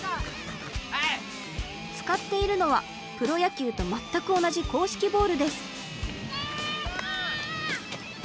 使っているのはプロ野球と全く同じ硬式ボールです。